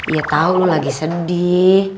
iya tau lu lagi sedih